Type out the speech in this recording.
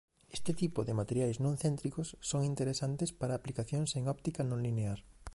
Este tipo de materiais non céntricos son interesantes para aplicacións en óptica non linear.